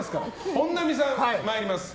本並さん、参ります。